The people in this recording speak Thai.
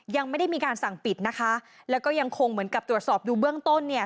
ยังไม่ได้มีการสั่งปิดนะคะแล้วก็ยังคงเหมือนกับตรวจสอบดูเบื้องต้นเนี่ย